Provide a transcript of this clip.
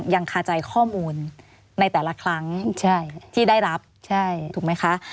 คาใจข้อมูลในแต่ละครั้งที่ได้รับถูกไหมคะ